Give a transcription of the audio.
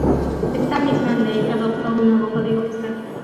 Esta misma Ley adoptó un nuevo Código Fiscal.